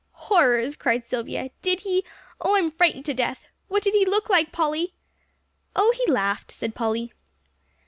"Horrors!" cried Silvia. "Did he? Oh, I'm frightened to death! What did he look like, Polly?" "Oh, he laughed," said Polly.